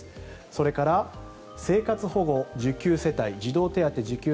それから生活保護受給世帯児童手当受給